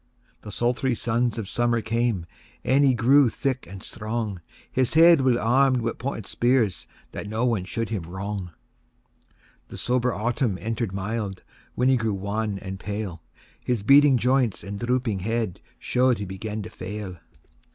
IV. The sultry suns of summer came, And he grew thick and strong; His head weel arm'd wi' pointed spears That no one should him wrong. V. The sober autumn enter'd mild, When he grew wan and pale; His beading joints and drooping head Show'd he began to fail.